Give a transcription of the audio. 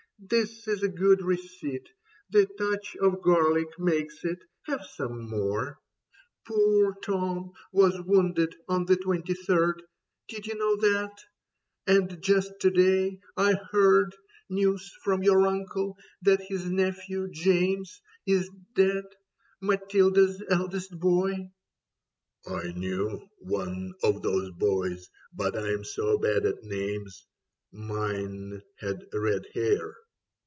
This is a good receipt : The touch of garlic makes it. Have some more. 68 Leda Poor Tom was wounded on the twenty third ; Did you know that ? And just to day I heard News from your uncle that his nephew James Is dead — Matilda's eldest boy." " I knew One of those boys, but I'm so bad at names. Mine had red hair."